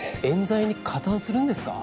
冤罪に加担するんですか？